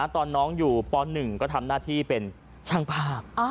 ตอนน้องอยู่ป๑ก็ทำหน้าที่เป็นช่างภาพ